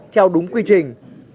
theo đúng quy trình